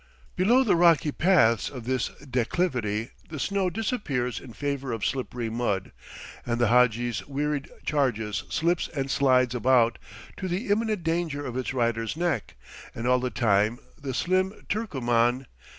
Below the rocky paths of this declivity the snow disappears in favor of slippery mud, and the hadji's wearied charger slips and slides about, to the imminent danger of its rider's neck; and all the time the slim Turkoman!